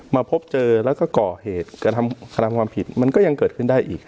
มาพบเจอแล้วก็ก่อเหตุกระทำความผิดมันก็ยังเกิดขึ้นได้อีก